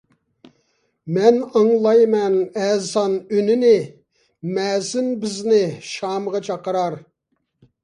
مەن ئاڭلايمەن ئەزان ئۈنىنى، مەزىن بىزنى شامغا چاقىرار.